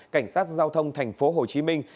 cảnh sát giao thông thành phố hồ chí minh